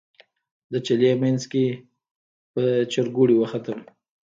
د چلې منځ کې په چورګوړي وختم.